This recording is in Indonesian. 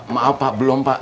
maaf pak belum pak